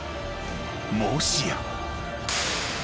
［もしや］